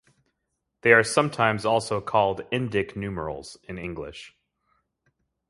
They are sometimes also called "Indic numerals" in English.